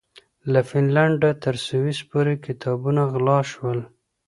له فنلنډه تر سويس پورې کتابونه غلا شول.